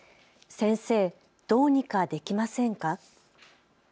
先生、どうにかできませんか。